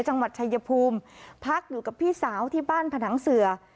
จังหวัดชายภูมิพักอยู่กับพี่สาวที่บ้านผนังเสือ